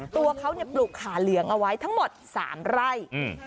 ตัวเขาปลูกขาเหลืองเอาไว้ทั้งหมด๓ไร่